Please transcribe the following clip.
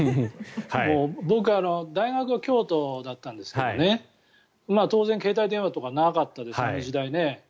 僕は大学は京都だったんですけど当然、携帯電話とかなかったです、その時代ね。